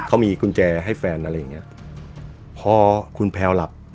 เขามีกุญแจให้แฟนอะไรอย่างเงี้ยพอคุณแพลวหลับ